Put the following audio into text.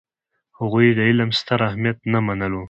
هغوی د علم ستر اهمیت نه منلو.